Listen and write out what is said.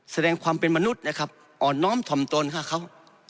แสดงความเป็นมนุษย์อ่อนน้อมถ่อมตนครับเขา